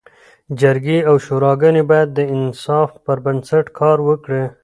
جرګي او شوراګاني باید د انصاف پر بنسټ کار وکړي.